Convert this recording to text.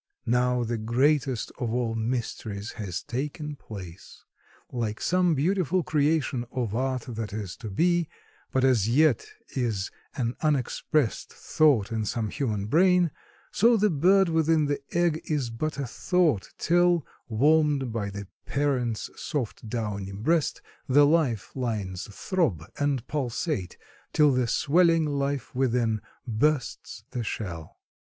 Now the greatest of all mysteries has taken place. Like some beautiful creation of art that is to be, but as yet is an unexpressed thought in some human brain, so the bird within the egg is but a thought till, warmed by the parent's soft downy breast, the life lines throb and pulsate till the swelling life within bursts the shell.